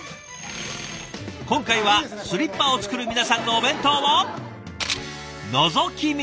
今回はスリッパを作る皆さんのお弁当をのぞき見です。